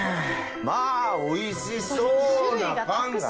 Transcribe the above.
まぁおいしそうなパンが。